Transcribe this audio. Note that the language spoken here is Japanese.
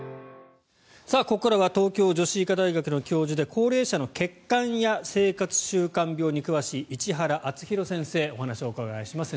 ここからは東京女子医科大学の教授で高齢者の血管や生活習慣病に詳しい市原淳弘先生にお話をお伺いします。